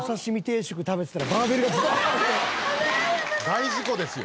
大事故ですよ。